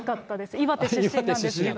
岩手出身なんですけど。